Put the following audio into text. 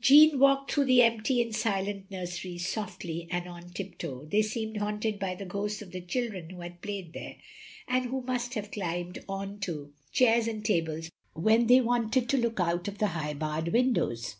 Jeanne walked through the empty and silent nurseries, softly, and on tiptoe. They seemed haunted by the ghosts of the children who had played there, and who must have climbed on to 84 THE LONELY LADY chairs and tables when they wanted to look out of the high barred windows.